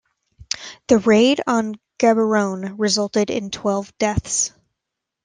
The Raid on Gaborone resulted in twelve deaths.